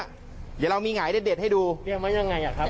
เดี๋ยวเรามีหงายเด็ดให้ดูเรียงไว้ยังไงครับ